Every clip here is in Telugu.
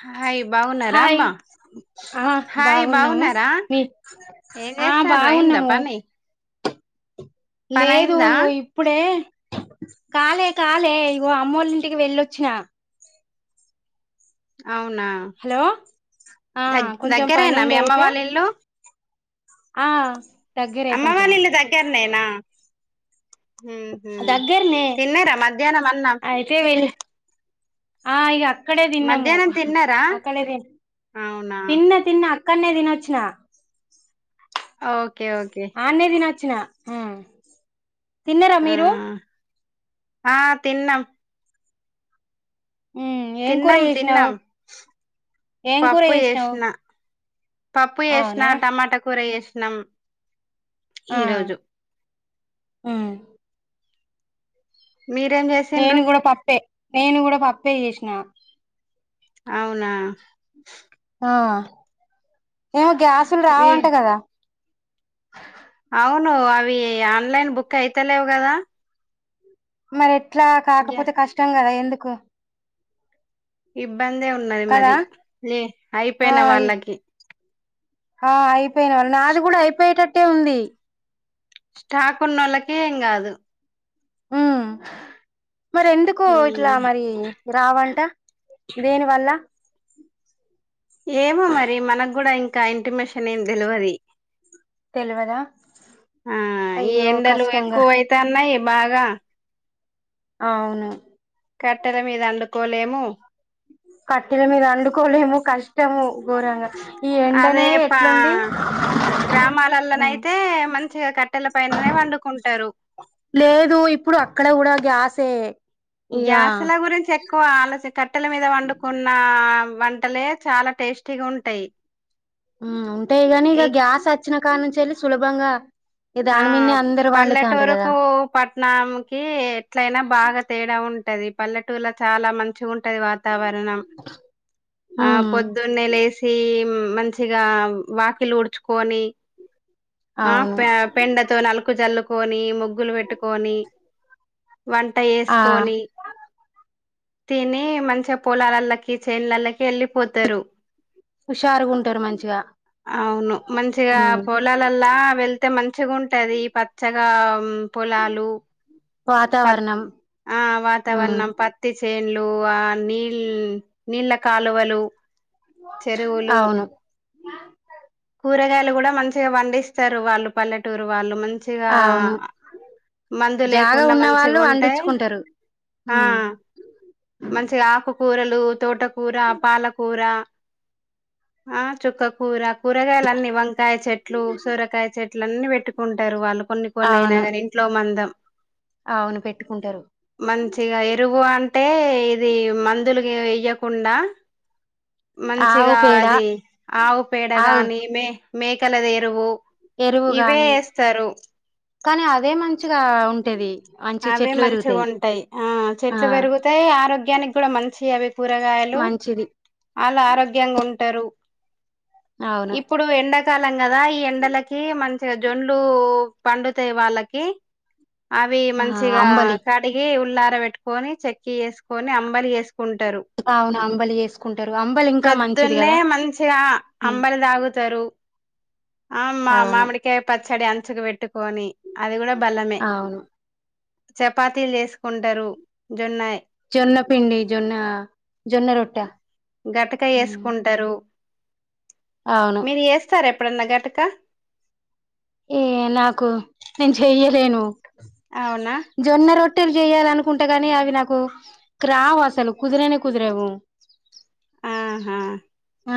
హాయి్ హాయ్ బాగున్నారామ్బ ఆ హాయ్ బాగున్నాము బాగున్నారా మీ ఏం ఆ చేస్తన్రూ అయింద బాగున్నాము పని పని లేదు అయిందా ఇప్పుడే కాలే కాలే ఇగో అమ్మోళ ఇంటికి వెళ్ళొచ్చిన అవునా హలో ఆ దగ్ కొంచెం పని దగ్గరేనా మీ ఉండే అమ్మ అయితే వాళ్ళ ఇల్లు ఆ దగ్గరే కొంచెం నేనా ఉమ్ హు దగ్గరనే తిన్నరా మధ్యాహ్నం అన్నం అయితే వెళ్ళి ఆ ఇగ అక్కడే తిన్నము మధ్యాహ్నం తిన్నారా అక్కడే ది అవునా తిన్న తిన్న అక్ క్కన్న తినొచ్చినా ఆ ఓకే ఓకే చ్చిన తిన్నారా ఆ మీరు ఆ తిన్నాం ఉమ్ ఏం కూర తిన్నం చేసినావు తిన్నం ఏం కూర పప్పు చేసినావు జేసినా పప్పు ఏసిన అవునా టమాటా కూర ఏ సినాం ఆ ఉ మీరేం చేసిండ్రు నేను కూడా పప్పే నేను కూడా పప్పే చేసినా అవునా ఆ ఏమో గ్యాసులు ఈ రావంట కదా అవును అవి ఆన్లైన్ బుక్ అయితలేవు కదా మరి ఎట్లా ఇగ కాకపోతే కష్టం కదా ఎందుకు ఇబ్బందే ఉన్నది కదా మరి లే ఆ అయిపోయిన వాళ్ళకి ఆ అయిపోయిన వాళ్ నాది కూడా అయిపోయేటట్టే ఉంది స్టాక్ ఉన్న వోళ్ళకి ఎం గా దు ఉమ్ మరి ఎందుకు ఇట్లా ఉమ్, మరి రావంట దేని వల్ల ఏమో మరి మనకుగూడ ఇంకా ఇంటిమేషన్ ఏం దే లవది తెలివదా ఆ ఈ అయ్యో ఎండలు కష్టంగా ఎక్కువ అయితన్నాయ్ బాగా అవును కట్టెల మీద అండుకోలేము కట్టెల మీద అండుకోలేము కష్టము ఘోరంగా ఈ ఎండనే అదే పా ఎట్లుంది ఉ చిగా కట్టెల పైననే వండుకుంటారు లేదు ఇప్పుడు అక్కడ కూడ గ్యాసే. ఇగ గ్యాస్ల గురించి ఎక్కువ ఆలోచ, కట్టెల మీద వండుకున్న వంటలే చాలా టేస్టీగుంటాయి. మ్ ఉంటాయి గాని, ఇగ గ్యాస్ వచ్చిన కాలనుంచి వెళ్ళి సులభంగా ఇక ఆ దాని మీదనే అందరు వండుతాండ్రు కదా పల్లెటూరుకు పట్నాం కి ఎట్లయినా బాగ తేడా ఉంటది. పల్లెటూల చాల మంచిగుంటది వాత తావరణం. ఆ ఉమ్ పొద్దున్నే లేసి, మంచిగా వాకిలూడ్చుకొని, ఆ అవును ప్య తవ నలుగు జల్లుకోని, ముగ్గులు పెట్టుకోని, వంట ఆ చేసుకోని తిని మంచిగ పొలాలల్లకి, చేన్లలకి వెళ్ళిపోతారు. హుషారుగా ఉంటారు మంచిగా అవును. మంచిగా ఉమ్ పోలాలల్లా వెళ్తే మన్ పచ్చగుంటది. పచ్చగా, పొలాలు. ప, వాతావరణం ఆ ఉమ్ వాతావరణం పత్తి చే లు. ఆ నీ, నీళ్ళ కాలువలు చెరువులు, అవును కూరగాయ లు కూడ మంచిగ పండిస్తారు. వాళ్ళు పల్లెటూరు వాళ్ళు మంచిగా. అవును మందు జాగా లేకుండ ఉన్న వాళ్ళు మంచిగుంటాయి వండించుకుంటారు ఆ ఉమ్ మంచిగ ఆకు కూరలు, తోటకూర, పాలకూర ఆ చుక్కకూర కూరగాయలన్ని, వంకాయ చెట్లు, సొరకాయ చెట్లు అన్ని పెట్టుకుంటారు వాళ్ళు. కొన్ని కొన్ని అయినా అవును కానీ, ఇంట్లో మందం. అవును పెట్టుకుంటారు. ఉ అంటే ఇది మందులుగిన వెయ్యకుండా, ఆవు మంచిగా పేడ అది ఆవు ఆవు పేడగాని, మే మేకలది ఎరువు ఎరువు ఇవే గాని ఏస్తారు. కానీ అదే మంచిగా ఉంటది. మంచి అవే చెట్లు మంచిగ పెరుగుతాయి ఉంటయి. ఆ ఆ చెట్లు పెరుగుతాయి, ఆరోగ్యానికి కూడ మంచి అవి కూరగాయలు. మంచిది ఆల్ ఆరోగ్యంగ ఉంటరు. అవును ఇప్పుడు ఎండ కాలం కదా, ఈ ఎండలకి మంచిగా జోన్లు పండుతయి వాళ్ళకి. అవి ఆ మంచిగా అంబలి కడిగి ఉల్లార పెట్టుకొని, చెక్కి చేసుకొని, అంబలి చేసు కుంటరు. అవును అంబలి చేసుకుంటారు అంబలి ఇంకా మంచిది ప్రొద్దున్నే కదా మంచిగా హ్మ్. అంబలి తాగుత్ తరు ఆ మా అవును మామిడికాయ పచ్చడి అంచుకి పెట్టుకొని, అది కూడ అవును చపాతీలు చేసుకుంటారు. జొన్నయి. జొన్న పిండి. జొన్న, జొన్న రొట్ట. గతిక చేసుకుంటారు అవును మీరు చేస్తార ఎప్పుడన్న ఘటక? ఏ నాకు నేను చెయ్యలేను. అవునా జొన్న రొట్టెలు చెయాలనుకుంట్ అంతేగాని, అవి నాకు రావ్ అసలు. కుదరనే కుదరవు. అ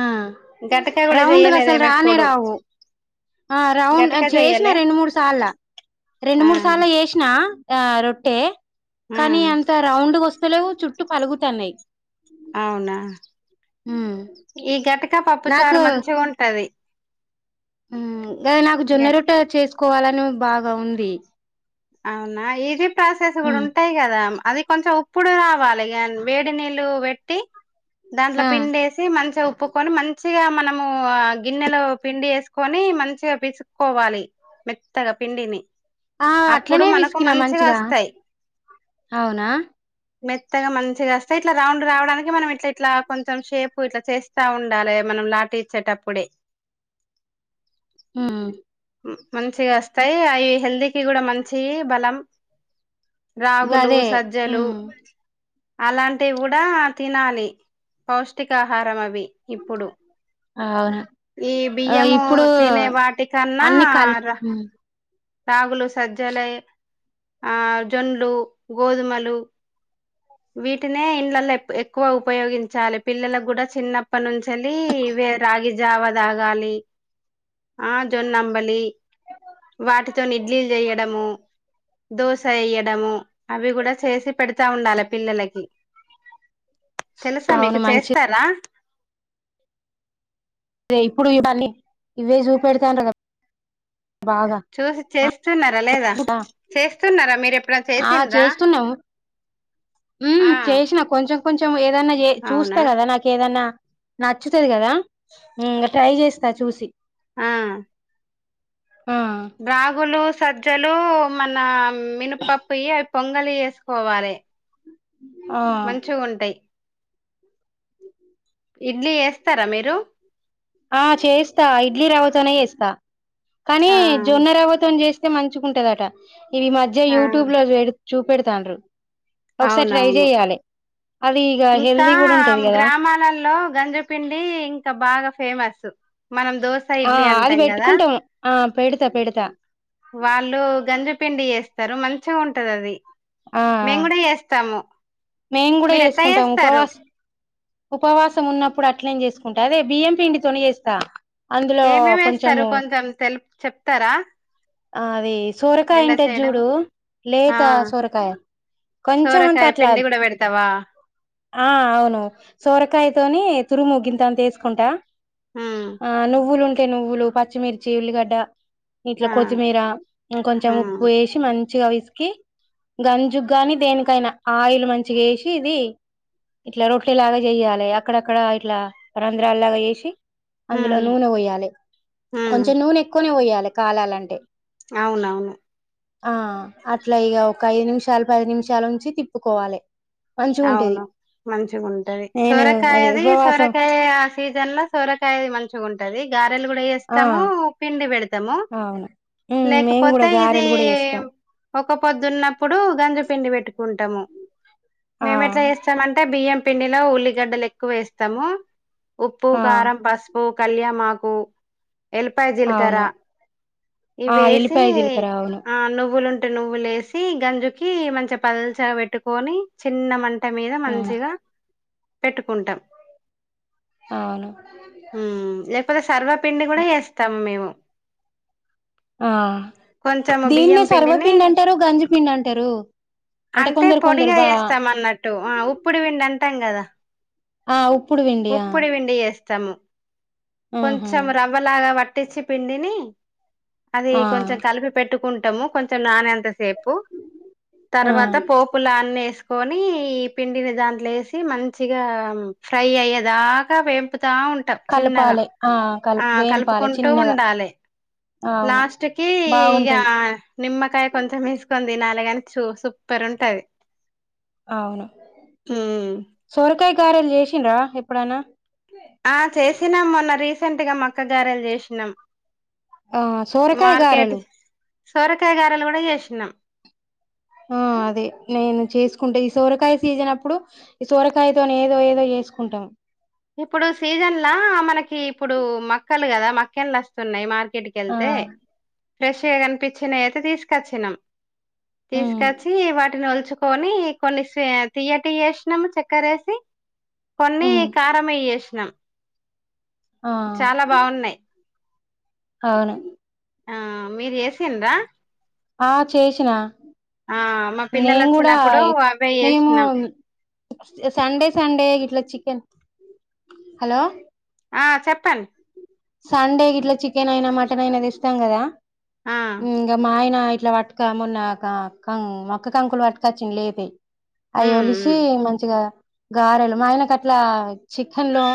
ఆ గటక కూడా రౌండ్గా అసలు చెయ్యలేదేమి రానే ఎప్పుడు రావు. ఆ రౌండ్ గటక చేసిన చెయ్యలే రెండు మూడు సార్లు. రెండు ఆ మూడు సార్లు చేసిన రొట్టె. ఆ కానీ అంత రౌండ్ గ వస్తలేవు. చుట్టూ పలుగుతన్నాయి. అవునా! ఈ ఘట ఇంకా పప్పు చారు మంచిగుంటది. మ్ గది నాకు జొన్న రొట్టె చేసుకోవాలని బాగా ఉంది. అవునా ఈజీ ప్రాసెస్ కూడా హ్మ్ ఉంటాయి కదా మ. అది కొంచెం ఉప్పుడు రావాలి కానీ, వేడి నీళ్ళు పెట్టి. దాంట్లో ఆ పిండి ఎసి మంచిగా ఉప్. ఉపుకొని మంచిగా మనము, ఆ గిన్నెలో పిండి వేసుకొని మంచిగా పిసుక్కోవాలి. మెత్తగా, పిండిని. ఆ అప్పుడు అట్లనే మనకు పిసికినా మంచిగా వస్తాయి. అవునా మెత్తగా మంచిగ వస్తే, ఇట్లా రౌండ్ రావడానికి మనం ఇట్లా ఇట్లా కొంచెం షేప్ ఇట్లా చేస్తా ఉండాలి మన. లాటీ ఇచ్చేటప్పుడే. మ్ మంచిగా వస్తాయి అవి హెల్తీకిి కూడా మంచివి బలం. రాగులు, గదే సజ్జలు. హ్మ్ అలాంటి కూడా తినాలి పౌష్టికాహారం అవి ఇప్పుడు. అవునా ఈ ఆ బియ్యము ఇప్పుడు తినే వాటి కన్నా, అన్ని కల్ ర హ్మ్ రాగులు, సజ్జలయ, ఆ జొన్లు, గోధుమలు. వీటినే ఇండ్లల్లో ఎక్కువ ఉపయోగించాలి, పిల్లలకు కూడా చిన్నప్పటీ నుంచల్లి. ఇవే రగి జావ తాగాలి, ఆ జొన్న అంబలి. దోశ ఎయ్యాడము అవి కూడా చేసి పెడతా ఉండాలి పిల్లలకి. తెలుసా అవును మీకు మంచిదే చేస్తారా. అదే ఇప్పుడు ఇవన్నీ ఇవే చూపెడతానృ కదా. బాగా చూసి ఆ చేస్తున్నార లేదా ఇంకా, చేస్తున్నారా మీరు ఎప్పుడ చేసిండ్రా ఉ ఆ చేసిన కొంచెం కొంచెం ఏదన్నా చూస్త అవునా కదా నాకు ఏదన్నా. నచ్చుతుది కదా, మ్ ఇంగ ట్రై చేస్తా చూసి. ఆ ఆ రాగులు, సజ్జలు, మన మినపప్పుయి ఎ పొంగలి చేసుకోవాలె. ఆ మంచిగ ఉంటాయి ఇడ్లీ చెస్తరా మీరు. ఆ చేస్తా ఇడ్లీ రవ్వతోనే చేస్తా కానీ, ఆ జొన్న రవ్వతోని చేస్త చేస్తే మంచిగ ఉంటదట, ఇవి మధ్య యూట్యూబ్లో చూపెడుతాండ్రు. ఒకసారి ట్రై అవునవును చెయాలి, అవి. ఇంకా గ్రామాలల్లో గంజిపిండి ఇంకా బాగా ఫేమసు. మనం దోస, ఆ ఇడ్లీ అది అంటాం కదా. పెట్టుకుంటాం ఆ పెడతా పెడతా వాళ్ళు గంజి పిండి యేస్త చెస్తరు మంచిగా ఉంటది అది. ఆ మేము కూడా చేస్తము. మేము కూడా చేసుకుంటాము, ఉపవాస్. ఉపవాసం ఉన్నప్పుడు అట్లే చేసుకుంట అదే బియ్యం పిండి తోని చేేస్తా. ఏమేమి ఏస్తారు, కొంచెం తెలుపు చెప్తరా. ఆ అది సోరకాయ ఉంటది చూడు, ఆ లేత సోరకాయ. కొంచెమంత సోరకాయ అట్లా, పిండి కూడా పెడతావా ఆ అవును, సోరకాయతోని తురుము గింతంత ఏసుకుంటా ఉమ్ ఆ నువ్వులు ఉంటే నువ్వులు, పచ్చిమిర్చి, ఉల్లిగడ్డ. ఇట్లా ఆ కొత్తిమీర, ఇంకొంచెం ఆ ఉప్పు ఏసి మంచి మంచిగా విసికి, గంజుగాని దేనికైనా ఆయిల్ మంచిగ ఏసి, ఇది. ఇట్లా రొట్టే లాగా చెయ్యాలి. అక్కడక్కడ ఇట్లా రంధ్రాల్లాగ చేసి, అందులో ఉమ్ నూనె వోయాలె ఉమ్ కొంచెం నూనె ఎక్కువనే వోయాలె కాలాలంటే. అవునవును. ఆ అట్లా ఇగ ఒక ఐదు నిమిషాలు, పది నిమిషాలు వుంచి తిప్పుకోవాలి. మంచిగా ఉంటది అవును మంచిగ ఉంటది. నేను అదే సోరకాయది ఉపవాసం సోరకాయ, సీజన్ లో సోరకాయది మంచిగా ఉంటది, గారెలు కూడా ఆ యేస్తము, పిండి వెడతము. అవును ఉమ్ మేము కూడా లేకపోతే ఇది గారెలు కూడా చేస్తాం ఒక పొద్దున్నప్పుడు గంజి పిండి పెట్టుకుంటాము ఆ మేము ఎట్లా చేస్తామంటే బియ్యం పిండిలో ఉల్లిగడ్డలు ఎక్కువ ఏస్తాము ఉప్పు, ఆ కారం, పసుపు కళ్యామాకు ఎల్లిపాయ జీలకర్ర అవును ఆ ఇవేసి ఎల్లిపాయ జీలకర్ర అవును ఆ నువ్వులు ఉన్ టే నువ్వు లేసి గంజుకి మంచి పల్చ పెట్టుకొని చిన్న మం ట్ట మీద ఉమ్ మంచిగా పెట్టుకుంటాం అవును హ్మ్ సర్వపిండి కూడా చేస్తాము మేము ఆ కొంచెము బియ్యం దీన్నె పిండిని సర్వపిండి అంటారు గంజి పిండి అంటారు అంటే కొందరు కొందరు బా ఇస్తామన్నట్టు ఆ ఉప్పుడు విండి అంటాం కదా ఆ ఉప్పుడు విండియా కొంచం కొంచం రవ్వలాగా వట్టిచ్చి పిండిని అది ఆ కొంచెం కలిపి పెట్టుకుంటాము కొంచెం నానెంత సేపు ఆ తర్వాత పోపులన్నేసు కోని ఈ పిండిని దాంట్లో ఏసి మంచిగా ఫ్రై అయ్యే దాకా వేపు తా ఉంటాం చిన్నగా కలపాలే ఆ ఆ కలప వేంపాలే కలుపుకుంటూ చిన్నగా ఉండాలే అవును లాస్ట్ కి ఇగ బాగుంటది నిమ్మకాయ కొంచం ఏసు కొని తిన్నాల గాని చూ సూపర్ ఉంటది అవును ఉమ్ సోరకాయ గారెలు చేసిండ్రా ఎప్పుడన్నా ఆ చేసినాం మొన్న రీసెంట్గా మక్క గారెలు చేసినాం ఆ సోరకాయ మార్కెట్ గారెలు సోరకాయ గారెలు కూడా చేసిన ఆ అదే నేను చేసుకుంటే ఈ సోరకాయ సీజన్ అప్పుడు ఈ సోరకాయతోని ఏదో ఏదో చేసుకుంటాం టే ఇప్పుడు మక్కలు కదా మక్కెళ్లు వస్తున్నాయి మార్కెట్ కి ఆ వెళ్తే ఫ్రెష్గా కనిపించినయి అయితే తీసుకొచ్చినాం ఉమ్ తీసుకొచ్చి వాటిని వలు చుకొని కొన్ని తియటివి చేసినము చక్కర వేసి కొన్ని ఉమ్ ఫ్రై చేసినం ఆ చాలా బాగున్నాయి అవును ఆ మీరు చేసిండ్రా ఆ చేసిన ఆ మా పిల్లలు నేను కూడా వచ్చినప్పుడు ఎ అవే మేము చేసినాం సండే సండే గిట్లా చికెన్ హలో ఆ చెప్పన్ సండేకి ఇట్లా చికెన్ అయినా మటన్ అయినా తెస్తాం కదా ఆ ఇంకా మా ఆయన ఇట్లా పటుక మన్న క కన్ మొక్క కంకులు పట్టుకొచ్చిం లేపి అయ ఉమ్ ఒలిసి ఉమ్ మంచిగా గారెలు ఆయనకు అట్లా చికెన్ లో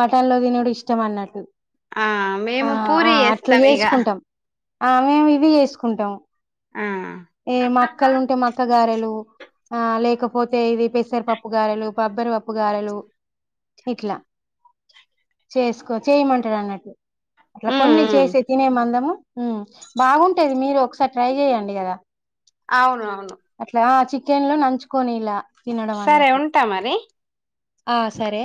మటన్ లో తినుడు ఇష్టం అన్నట్టు ఆ ఆ మేము ఆ పూరి అట్లా చేస్తాం ఇగ చేసుకుంటాం ఆ మేము ఇవి చేసుకుంటాం ఆ ఏ మక్కలుంటే మక్క గారెలు ఆ లేకపోతే ఇది పెసరపప్పు గారెలు బబ్బరి పప్పు గారెలు ఇట్లా చేసుకో చేయమంట్ టే అన్నట్టు అట్లా ఉమ్ కొన్ని ఉమ్ చేసే తినే మందము ఉ బాగుంటయి మీరు ఒకసారి ట్రై చెయ్యండి కదా అవును అవును అట్లా ఆ చికెన్ లో నంచుకోని ఇలా తినడం సరే అన్నట్టు ఉంటా మరి ఆ సరే